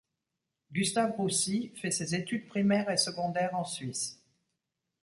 Gustave Roussy fait ses études primaires et secondaires en Suisse.